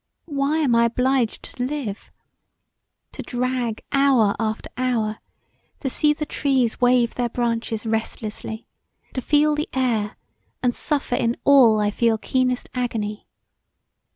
Why am I obliged to live? To drag hour after hour, to see the trees wave their branches restlessly, to feel the air, & to suffer in all I feel keenest agony.